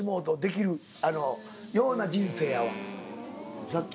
ような人生やわ。